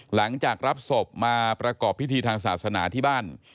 หลังจากรับศพมาประกอบพิธีทางศาสนาที่บ้าน